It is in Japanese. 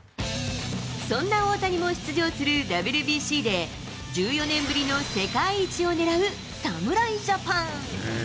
そんな大谷も出場するＷＢＣで、１４年ぶりの世界一を狙う侍ジャパン。